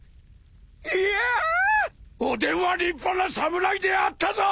いやぁおでんは立派な侍であったぞ！